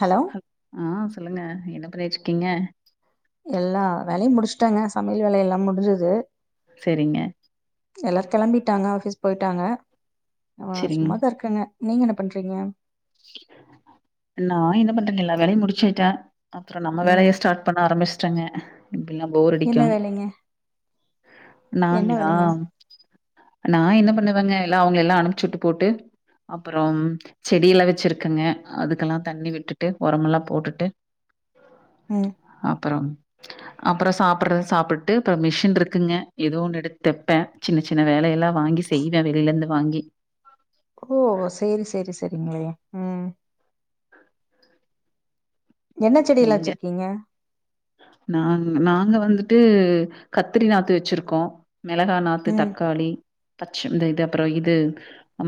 Hello [inaudible] ஆ சொல்லுங்க என்ன பண்ணிட்ருக்கிங்க எல்லா வேலையு முடிச்சுட்டங்க சமையல் வேலையெல்லா முடிஞ்சுது செரிங்க எல்லாரு கெளம்பிட்டாங்க ஆஃபீஸ் போய்ட்டாங்க நா சரிங். சும்மாதா இருக்கங்க நீங்க என்ன பண்றீங்க நா என்ன பண்ற எல்லா வேலையு முடிச்சிட்ட அப்ற நம்ம ம் வேலைய ஸ்டார்ட் பண்ண ஆரம்பிச்சேட்டங்க இப்பில்லா போர் அடிக்கு என்ன வேலைங்க என்ன நாங்களா வேலைங்க நா என்ன பண்ணுவங்க எல்லா அவுங்களல்லா அனுப்ச்சு வுட்டு போட்டு அப்பறம் செடி எல்லா வெச் சிருக்கங்க அதுக்கெல்லா தண்ணி விட்டுட்டு ஒரமெல்லா போட்டுட்டு ம் அப்பறம் அப்ற சாப்புட்றது சாப்புட்டு அப்பற மிஷின் இருக்குங்க எதோ ஒன்னு எடுத் தெப்பே சின்ன சின்ன வேலையெல்லா வாங்கி செய்வ வெளிலேருந்து வாங்கி ஓ சேரி சேரி சேரிங்களே ம் என்ன செடில்லா நீங்க? வச்சிருக்கீங்க நாங் நாங்க வந்துட்டு கத்திரி நாத்து வச்சிருக்கோ மெளகா நாத்து ம் தக்காளி பச்ச இந்த இது அப்றோ இது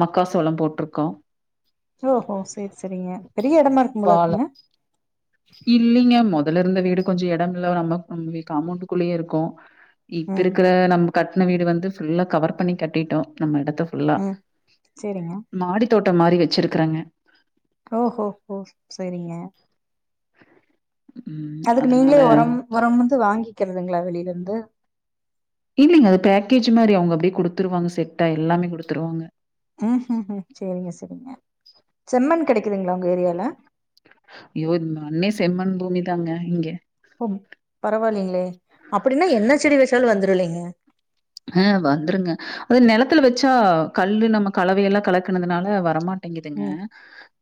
மக்கா சோளோ போட்ருக்கோ ஓஹோ செர் செரிங்க பெரிய எடமா இருக்கும் போல இருக்குங்க இல்லிங்க மொதல இருந்த வீடு கொஞ்சோ எடம் இல்ல நம்ம நம்ம காமோண்டுக்குள்ளயே இருக்கோ இப்ப ம் இருக்கற நம்ம கட்ன வீடு வந்து ஃபுல்லா கவர் பண்ணி கட்டிட்டோ நம்ம எடத்த ஃபுல்லா ம் சேரிங்க மாடி தோட்டம் மாரி வச்சிருக்கறங்க ஓஹோ ஹோ செரிங்க ம் அதுக்கு நீங்களே அதனால ஒரம் ஒரம் வந்து வாங்கிக்கறதுங்களா வெளியில இருந்து இல்லிங்க அது பேக்கேஜ் மாரி அவுங்க அப்டியே குடுத்துருவாங்க செட்டா எல்லாமே குடுத்துருவாங்க ம் ஹு ஹு செரிங்க செரிங்க செம்மண் கெடைக்குதுங்களா உங்க ஏரியால ஐயோ இந்த மண்ணே செம்மண் பூமி தாங்க இங்க ஓ பரவாயில்லிங்களே அப்டின்னா என்ன செடி வச்சாலு வந்துருல்லைங்க ஆ வந்துருங்க அது நெலத்துல வச்சா கல்லு நம்ம கலவையெல்லா கலக்கனதுனால வரமாட் டேங்கிதுங்க ம்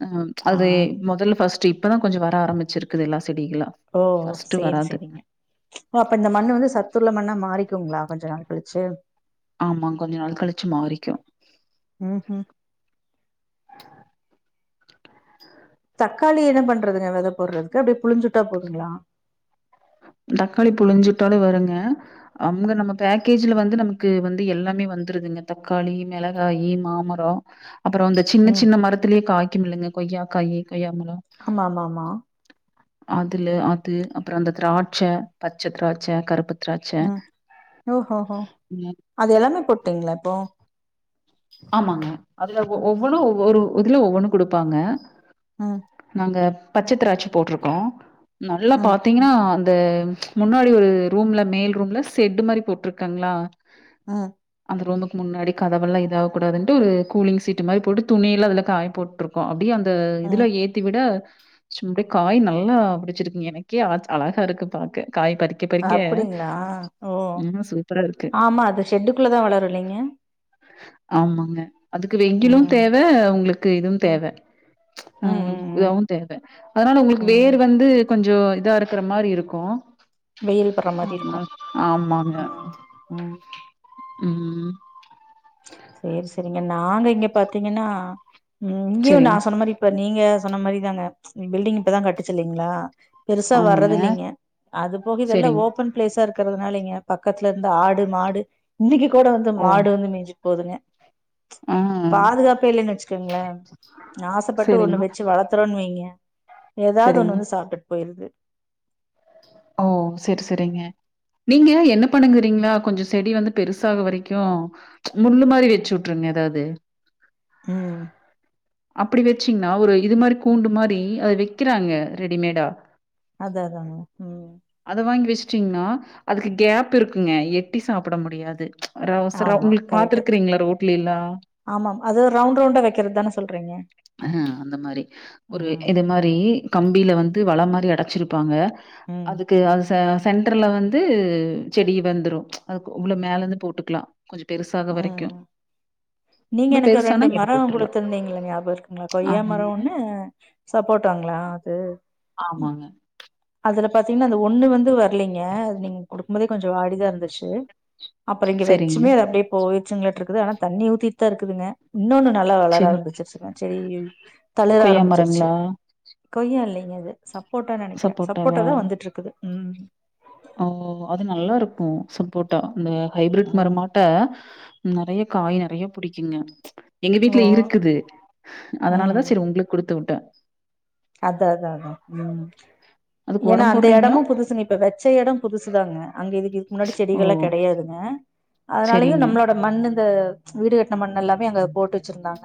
ஆ அது மொதல்ல ஃபஸ்ட்டு இப்பதா கொஞ்சோ வர ஆரமிச்சிருக்குது எல்லா செடிகளு ஓ சேர் செரிங்க ஓ அப்ப இந்த மண்ணு வந்து சத்துள்ள மண்ணா மாறிக்குங்களா கொஞ்சோ நாள் கழிச்சு ஆமா கொஞ்சோ நாள் கழிச்சு மாறிக்கு ம் ஹு தக்காளி என்ன பண்றதுங்க வெத போறதுக்கு அப்டி புழுஞ்சுட்டா போதுங்களா தக்காளி புழுஞ்சுட்டாலு வருங்க அவுங்க நம்ம பேக்கேஜ்ல வந்து நமக்கு வந்து எல்லாமே வந்துருதுங்க தக்காளி மெளகாயி மாமரோ அப்றோ இந்த சின்ன ம் சின்ன மரத்துலயே காய்க்குமில்லங்க கொய்யாக்காயி கொய்யா மரோ ஆமா ஆமாமா அதுல அது அப்றோ அந்த திராட்ச்ச பச்ச திராட்ச்ச கருப்பு திராட்சை. ம் ஓஹோஹோ அது எல்லாமே போட்டீங்களா இப்போ ஆமாங்க அதுல ஒவ்வொன்னு ஒரு இதுல ஒவ்வொன்னு குடுப்பாங்க ம் நாங்க பச்ச திராட்ச போட்ருக்கோ நல்லா ம் ம் பாத்தீங்கன்னா அந்த முன்னாடி ஒரு ரூம்ல மேல் ரூம்ல செட்டு் மாரி போட்ருக்கங்களா ம் அந்த ரூமுக் முன்னாடி கதவெல்லா இதாக கூடாதுன்ட்டு ஒரு கூலிங் சீட்டு மாரி போட்டு துணியில்லா அதுல காய போட்ருக் கு அப்டியே அந்த ம் இதுல ஏத் தி விட சும் ப்டே காய் நல்லா பிடிச்சிருக்குங் எனக்கே ஆச் அழகா இருக்கு பாக்க காய் பறிக் அப்டிங்ளா ஓ சூப்பரா இருக்கு ஆமா அது ஷெட்டுக்குள்ளதா வளரு இல்லைங்க ஆமாங்க அதுக்கு வெய்யிலு ம் தேவ உங்களுக்கு இதுவு ம் தேவ ம் இதாவு தேவ அதனால உங்களுக்கு ம் வேர் வந்து கொஞ்சோ இதா இருக்கற மாரி இருக்கு வெயில் படுற மாரி இருக்கும் ஆமாங்க ம் ம் ம் சேர் செரிங்க நாங்க இங்க பாத்தீங்கன்னா ம் இங்யு நா செரிங் சொன்ன மாரி இப்ப நீங்க சொன்ன மாரிதாங்க பில்டிங் இப்பதா கட்டுச்சு இல்லீங்ளா பெருசா ஆமாங்க வர்றதில்லீங்க அது போக இதெல்லா செரிங் ஓப்பன் ப்ளேஸா இருக்கறதுனாலைங்க பக்கத்துலர்ந்து ஆடு மாடு இன்னைக்கி கூட வந்து ஓ மாடு வந்து மேஞ்சிட் போதுங்க ஆ பாதுகாப்பே இல்லன் வச்சுக்கங்ளே ஆசப்பட்டு செரிங்க ஒன்னு வெச்சு வளத் துறோன் வெய்ங்க எதாவ்து ஒன்னு செரிங்க வந்து சாப்ட்டுட் போய்ருது ஓ செர் செரிங்க நீங்க என்ன பண்ணுங்கறீங்ளா கொஞ்சோ செடி வந்து பெருசாக வரைக்கு முள்ளு மாரி வெச்சுட்ருங்க எதாவ்து ம் அப்டி வெச்சீங்ன்னா ஒரு இது மாரி கூண்டு மாரி அது வெக்கிறாங்க ரெடிமேடா அதா அதாங்க ம் அத வாங்கி வெஸ்டீங்ன்னா அதுக்கு கேப் இருக்குங்க எட்டி சாப்பட முடியாது அரா ஒசரோ ஆமா உங்ளுக் கரெக்ட் பாத்துருக்றீங்ளா ரோட்லில்லா ஆமாம் அது ரவுண்ட் ரவுண்டா வெக்கறத் தான சொல்றீங்க ஆ அந்த மாரி ஒரு ம் இது மாரி கம்பீல வந்து வல மாரி அடச்சிருப்பாங்க ம் அதுக்கு அது த சென்ட்ரல்ல வந்து செடி வந்துரு அதுக்கு உள்ள மேலர்ந்து போட்டுக்லா கொஞ்ச பெருசா ம் நீங்க எனக்கு பெருசானா ரெண்டு எடுத்து மரோ விட்டுர்லா குடுத்திருந்தீங்கல்ல ஞாப இருக் குங்ளா கொய்யா மரோ ஆமாங்க ஒன்னு சப்போட்டாங்ளா அது ஆமாங்க அதுல பாத்தீங்ன்னா அந்த ஒன்னு வந்து வர்லீங்க அது நீங் குடுக் போதே கொஞ்சோ வாடிதா இருந்துச்சு அப்றோ இங்க சரிங்க வச்சுமே அது அப்டியே போய்ர்ச்சுங்களாட்ருக்குது ஆனா தண்ணி ஊத்தீட் தா இருக்குதுங்க இன்னோன்னு நல்லா வளர சரி ஆரம்பிச்சிருச்சுங்க செடி தளிர கொய்யா ஆரம்பிச்சிருச்சு மரங்களா கொய்யா இல்லீங்க அது சப்போட்டா நெனக்கிறே சப்போட்டா சப்போட்டாவா தா வந்துட்ருக்குது ம் ஓ அது நல்லாருக்குங் சப்போட்டா இந்த ஹைப்ரேட் ம் மரமாட் ட நெறய காய் நெறய புடிக்குங்க எங்க ஓ வீட்ல இருக்குது அதனாலதா செரி உங்களுக் குடுத்து உட்ட அதா அதா அதா ம் அதுக்கு ஏனா ஒரம் அந்த போடுறீங்களா எடமு புதுசுங்க இப் ப வெச்ச எடோ புதுசுதாங்க அங்க இதுக் இதுக் முன்னாடி ஓ செடிகல்லா கெடயாதுங்க அதனாலயு சரிங்க நம்ளோட மண்ணு இந்த வீடு கட்ன மண் எல்லாமே அங்க போட்டு வெச்சிருந்தாங்க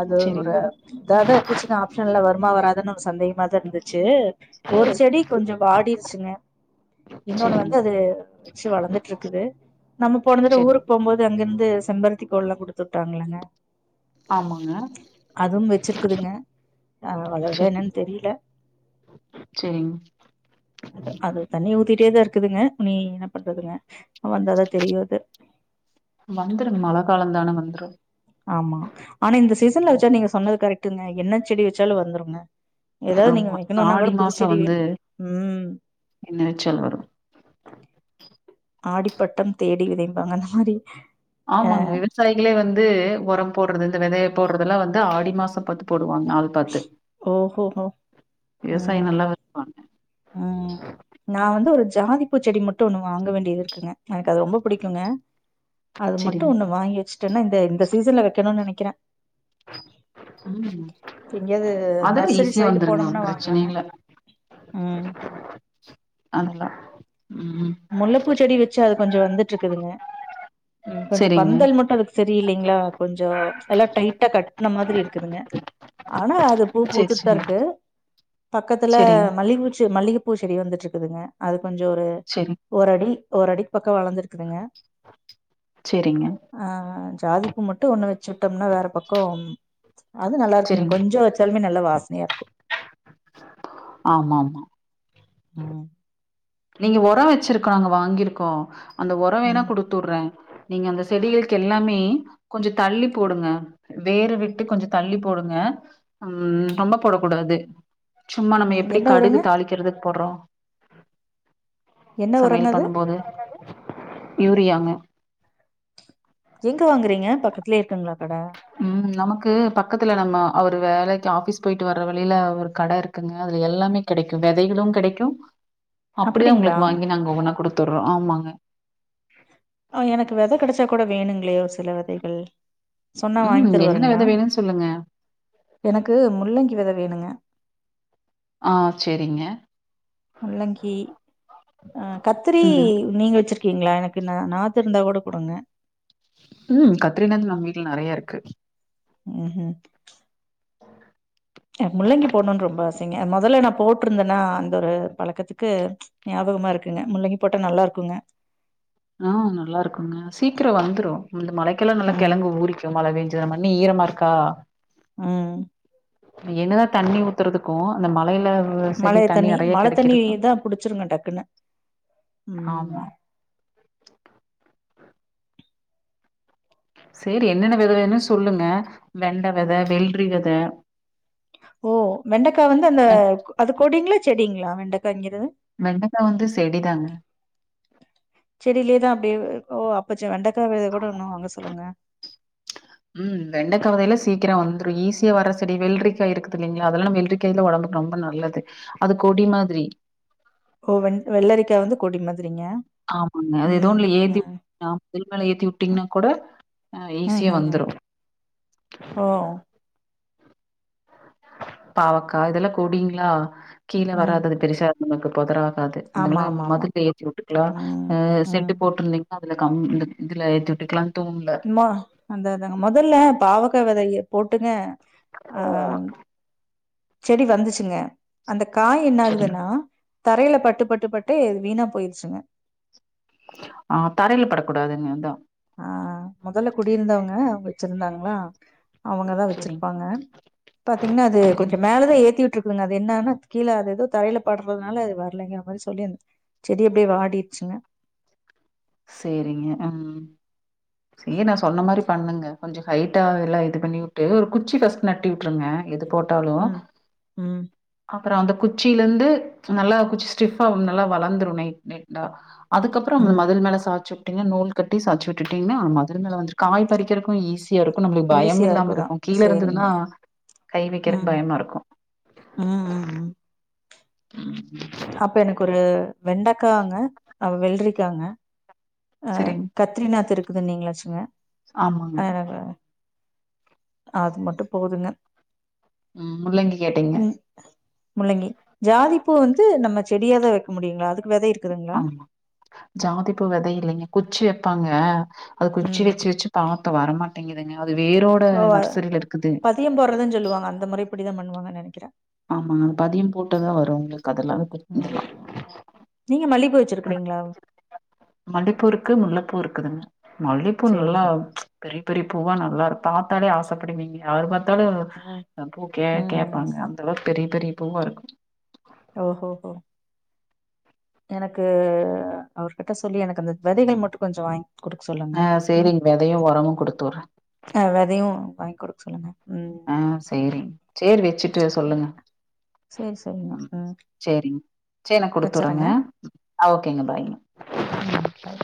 அது ஒரு சரிங்க இத தா இர்ந்துச்சுங்க ஆப்ஷன்ல வருமா வராதானு ஒரு சந்தேகமா தா இர்ந்துச்சு ஒரு செடி கொஞ்சோ வாடிர்ச்சுங்க இன்னொன்னு வந்து செரிங்க அது வெச்சு வளந்துட்ருக்குது நம்ம போனதட செரி ஊருக் போம் போது அங்கிருந்து செம்பருத்தி கோள்லா குடுத்தூட்டாங்கயில்லங்க ஆமாங்க அதுவும் வெச்சிருக்குதுங்க ஆ வளருதா என்னன்னு தெரீல செரிங் அது அது தண்ணி ஊத்திட்டே தா இருக்குதுங்க உனீ என்ன பண்றதுங்க அவ வந்தாதா தெரியு அது வந்துருங் மழ காலந்தான வந்துரு ஆமா அனா இந்த சிசன்ல வெச்ச நீங்க சொன்னது கரெட்டுங்கா என்ன செடி வெச்சாலு வந்துருங்க எதாது நீங்க ஆமா வெக்கணுன்னா கூட ஆடி புதுச்செடி வெ ம் என்னசொல் வரு ஆடிப்பட்டம் தேடி விதைம்பாங்க அந்த மாரி அ ஆமாங்க விசாயிகளே வந்து ஒரம் போடுறது இந்த வெதைய போடுறதுல்லா வந்து ஆடி மாசோ பத்து போடுவாங் நாள் பாத்து ஓஹோஹோ விவசாயோ ம் நல்லா வருவாங்க ம் நா வந்து ஒரு ஜாதி பூ செடி மட்டு ஒண்ணு வாங்க வேண்டியது இருக்குங்க எனக்கு அது ரொம்ப புடிக்குங்க அது மட்டு செரிங் ஒண்ணு வாங்கி வெச்சு சன்னா இந்த இந்த சீசன்ல வெக்கணு நெனைக்கற எங்கேயாவது அதலா நர்சரி ஈஸியா சைடு வந்துருங்க போனோம்னா வாங்கலாங்க பிரச்சனயில்ல ம் அதல்லா ம் முல்லப்பூச்செடி வெச்சா அது கொஞ்சோ வந்துட்ருக்குதுங்க ம் கொஞ்சோ செரிங்க பந்தல் மட்டு அதுக்கு செரியில்லிங்களா கொஞ்சோ எல்லா டைட்டா கட்ன மாதிரி இருக்குதுங்க ஆனா அது பூ செரி பூத்துட் தா செரி இருக்கு பக்கத்துல செரிங் மல்லி பூச்சு மல்லிகப் பூசெடி வந்துட்ருக்குதுங்கா அது கொஞ்சோ ஒரு செரி ஓர் அடி ஓர் அடிக்கு பக்கே வளந்துருக்குதுங்கா செரிங்க ஆ ஜாதிப்பூ மட்டு ஒன்னு வெச்சூட்டம்ன்னா வேற பக்கோ அதூ நல்லா இருக்குங்க செரிங் கொஞ்சோ வெச் தலுமே நல்லா வாசனையா இருக்கு ஆமாம்மா ம் நீங்க ஒரோ வெச்சிருக்காங்க வாங்கிருக்கோ அந்த ஒரோ வேணா ம் குடுத்தூடற நீங்க அந்த செடிகலுக் எல்லாமே கொஞ்சோ தள்ளி போடுங்கா வேறு விட்டு கொஞ்சோ தள்ளி போடுங்க ம் ரெம்பா பேடக்ககூடாது சும்ம நம்ம ம் எப்படி என்ன கடுகு உரங்க தாளிக்கறதுக் போடுறோ என்ன உரங்க சமையல் அது பண்ணும்போது யூரியாங்க அது எங்க வாங்கறீங்கா பக்கத்துலே இருக்குங்களா கட ம் நமக்கு பக்கத்துல நம்ம அவரு வேலைக்கு ஆஃபீஸ் போயிட்டு வர்ற வழில ஒரு கட இருக் குங்க அதுல எல்லமே கெடைக்கு வெதைகளு கெடைக்கு அப்படிதா அப்டிங்களா உங்களுக்கு வாங்கி நாங்க ஒவ்வென்னா குடுத்துடுரோ ஆமாங்க ஆ எனக்கு வெத கெடச்சா கூட வேணுங்களே ஒரு சில வெதைகள் சொன்னா வாங்கி ம் என்னென்ன தருவாருங்களா வெத வேணுன்னு சொல்லுங்க. எனக்கு முள்ளங்கி வெத வேணுங்க ஆ சேரிங்கா முள்ளங்கி ஆ கத்ரீ ம் நீங்க வெச்சிர் கீங்களா எனக்கு நா நாத்து இருந்தா கூட குடுங்க ம் கத்திரி நாத்து நம்ம வீட்ல நறையா இருக்கு ம் ம் முள்ளங்கி போட்னுன்னு ரெம்பா ஆசைங்கா மொதல்ல நா போட்டிருந்தேனா அந்த ஒரு பழக்கத்துக்கு ஞாபகமா இருக்குங்க முள்ளங்கி போட்டா நல்லா இருக்குங்க ஆ நல்லா இருக்குங்க சிக்கிறோ வந்துரு இந்த மழைக்கெல்லா ம், கெழங்கு ஊறி மழபேஞ்சி மண்ணு ஈரமா இருக்க ம் என்னதா தண்ணி ஊத்தறதுக்கோ அந்த மழைல ஒரு செடி மழை தண்ணி நெறைய மழை தண்ணி கெடைக்கறதுக்கு தான் புடிச்சிருங்க டக்குன்னு. ம். ஆமா சேரி ஏன்னென்னா வெத வேணுன்னு சொல்லுங்க வெண்ட வெத வெள்ரி வெத ஒ வெண்டக்கா வந்து அந்த வெண் அது கொடிங்ளா செடிங்ளா வெண்டக்கங்கறது வெண்டாக்கா வந்து செடிதாங்க செடிலேயேதா அப்டிய ஓ அப்பச்ச வெண்டக்கா வெத கூட ஒன்னு வாங்க சொல்லுங்க இம் வெண்டகா வகை எல்லா சீக்கரோ வந்துரு ஈஸியா வர்ற செடி வெள்ரிக்காய் இருக்குது இல்லைங்ளா அதெல்லா வெல்ரி காய்லா ஒடம்டபுக்கு ரெம்பா நல்லது அதா கொடி மாதிரி ஒ வெள் வெள்ளரிக்கா வந்து கொடி மாதிரிங்க ஆமாங்கா அது எதோ ம், ஒன்ல எத்தி ம். ஆமா மதில் மேல ம். உட்டீங்னா கூட ஆ ஈஸியா ம்ஹ்ஹ்ம். வந்துறு ஓ பாவக்கா இதெல்லா கெடிங்ளா கீழ ம். வாரது பெருசா நமக்கு போதுரா ஆகாது ஆமா, இதுனால ஆமா, ஆமா. மதுல்ல எத்தி உட்டுக்லா ம், ஆ ம். செட்டு போட்டிருந்திங் அதால கம் இந்த இதுல ஏத்தி உட்டுக்கலா தூண்ல அந்த இத்தாங்கா முதல்லா பாவக்கா வெதையா போட்டுங்க அதா செடி வந்துச்சிங்க அந்த காய் என்ன சரிங்க ஆகுதுன்னா தாரையில பட்டு பட்டு பட்டு வீணா போயிருச்சிங்க ஆ தரையிலா படக்கூடாதுங்க அதான் ஆ மொதல்ல குடியிருந்தவங்க வெச்சிருந்தாங்ளா அவுங்கதா சரிங் வெச்சிருப்பாங்க பாத்தீங்னா அது சரிங் கொஞ்சோ மேலதா ஏத்திவுட்டு இரு இல்லங்க அது என்னான்னா கீழ அது ஏதோ தரைல பட்றதுனால அது வர்லங்கற மாரி சொல்லிருந் செடி அப்டியே வாடிட்சிங்க சேரிங்க ம் அப்டியே நா சொன்ன மாரி பண்ணுங்க கொஞ்சோ ஹெயிட்டா எல்லா இது பண்ணிவுட்டு ஒரு குச்சி ஃபர்ஸ்ட் நட்டி விட்டுருங்க எதுக்கோ நட்டாலு ம் ம் அப்றோ அந்த குச்சிலருந்து நல்லா குச்சி ஸ்டிஃபா இன்னு நல்லா வளந்துரு நீட் நீட்டா அதுக்கப்றோ ம் மதுல் மேல சாச்சி உட்டீங்க நூல் கட்டி சாச்சி உட்டுடிங்கன்னா அ மதுல் மேல வந்துட்டு காய் பறிக்கறதுக்கு ஈஸி யா இருக்கு நம்மளுக்கு பயம் ஈஸியா இல்லாம இருக்குதா இருக்கு கீழ சேரிங்க இருந்ததுன்னா கை வெக்கிறதுக்கு ம் பயமா இருக்கு ம் ம் ம் உம் அப்போ எனக்கு ஒரு வெண்டக்காங்க அ வெள்ரிக்காங்க அ சரிங் கத்ரிநாத் இருக்குது நீங்களே வெச்சிக்கங்க ஆமாங்க அ அது அது மட்டு போதுங்க ம் முள்ளங்கி கேட்டீங்க ம் முள்ளங்கி ஜாதிப்பூ வந்து நம்ம செடியா தா வெக்க முடியுங்ளா அதுக்கு வெத இருக் ஆமா ஜாதி பூ வெத இல்லைங்க குச்சி வெப்பாங்க அது குச்சி ம் வெச்சி வெச்சி பாத்த வரமாட்டேங்குதுங்க அது வேறோட ஓ பதிய போடுறதுன் சொல்லுவாங்க அந்த முறை படிதா பண்ணுவாங்கன் நெனக்கிற ஆமாங்க பதிய போட்டாதா வரு உங்களுக்கு அதெல்லா ம் நீங்க மல்லிப்பூ வச்சிருக்றீங்ளா மல்லிப்பூ இருக்கு முல்லப்பூ இருக்குதுங்க மல்லிப்பூ சேரிங்க நல்லா சேரிங்க பெரிய பெரிய பூவா நல்லா இரு பாத்தாலே ஆசப்படுவீங்க யாரு பாத்தாலு ம் எ பூ கே ம் கேப்பாங்க அந்த அளவுக்கு பெரிய பெரிய பூவா இருக்கு ஓ ஹோ ஹோ எனக்கு அவர்கிட்ட சொல்லி எனக்கு அந்த வெதைகள் மட்டு கொஞ்சோ வாங்கி குடுக்க சொல்லுங்க ஆ ம் செரிங்க வெதயு உரமு குடுத்து உட்ற ஆ வெதயு வாங்கி குடுக்க சொல்லுங்க ம் ஆ செரி சேரி வச்சிட்டு சேரி சொல்லுங்க சேரி சரிங்க ம் செரிங்க செரி நா குடுத்துறங்க வச்சறேங்க ஆ ஓகேங்க பாய் ம் பாய்